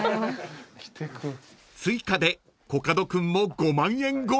［追加でコカド君も５万円超え］